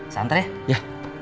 saya antar ya